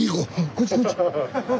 こっちこっち。